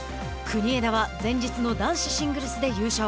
国枝は前日の男子シングルスで優勝。